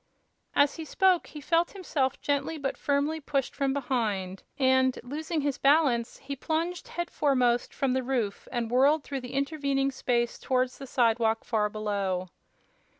As he spoke he felt himself gently but firmly pushed from behind and, losing his balance, he plunged headforemost from the roof and whirled through the intervening space toward the sidewalk far below.